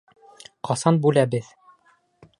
Ҡасан бүләбеҙ?